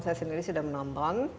saya sendiri sudah menonton